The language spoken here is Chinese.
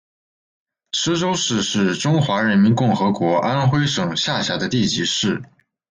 池州市是中华人民共和国安徽省下辖的地级市。